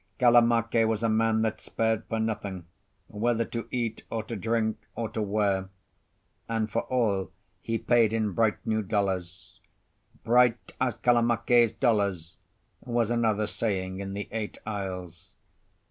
Kalamake was a man that spared for nothing, whether to eat or to drink, or to wear; and for all he paid in bright new dollars. "Bright as Kalamake's dollars," was another saying in the Eight Isles.